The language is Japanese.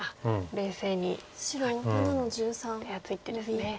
冷静に手厚い一手ですね。